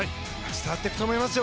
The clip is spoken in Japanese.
伝わっていくと思いますよ